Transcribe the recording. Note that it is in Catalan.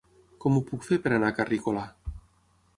Com ho puc fer per anar a Carrícola?